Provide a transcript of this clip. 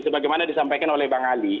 sebagaimana disampaikan oleh bang ali